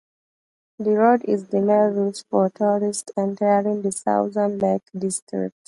The road is the main route for tourists entering the southern Lake District.